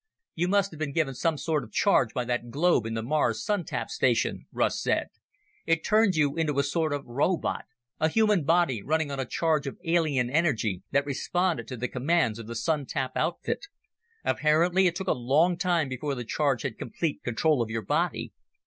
"You must have been given some sort of charge by that globe in the Mars Sun tap station," Russ said. "It turned you into a sort of robot a human body running on a charge of alien energy that responded to the commands of the Sun tap outfit. Apparently, it took a long time before the charge had complete control of your body.